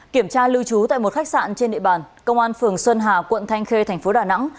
kiểm tra lưu trú tại một khách sạn trên địa bàn công an phường xuân hà quận thanh khê thành phố đà nẵng